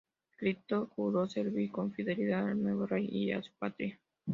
Clito juró servir con fidelidad al nuevo rey y a su patria.